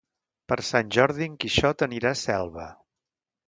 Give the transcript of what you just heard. Per Sant Jordi en Quixot anirà a Selva.